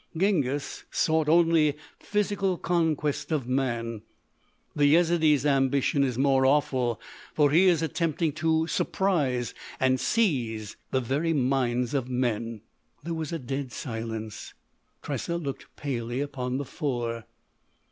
"Genghis sought only physical conquest of man; the Yezidee's ambition is more awful, for he is attempting to surprise and seize the very minds of men!" There was a dead silence. Tressa looked palely upon the four.